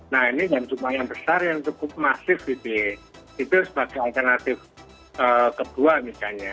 nah ini yang jumlah yang besar yang cukup masif itu sebagai alternatif kedua misalnya